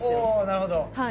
なるほど。